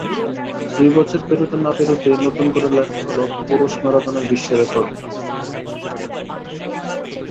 দুই বছর পেরোতে না-পেরোতেই নতুন করে লেখা হলো পুরুষ ম্যারাথনের বিশ্ব রেকর্ডটা।